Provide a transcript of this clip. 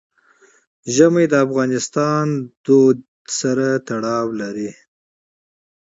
ژمی د افغان کلتور سره تړاو لري.